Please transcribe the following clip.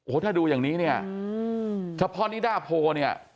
ถ้าดูอย่างนี้เนี่ยเฉพาะนิดาโพเนี่ย